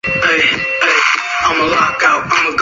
年七十二。